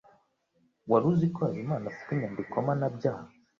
Wari uzi ko Habimana afite inyandiko mpanabyaha?